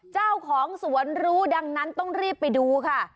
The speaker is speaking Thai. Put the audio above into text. เจ้าของสวนรู้ดังนั้นต้องรีบไปดูค่ะ